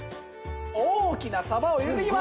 大きなサバを入れていきます。